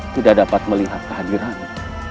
tidak dapat melihat kehadirannya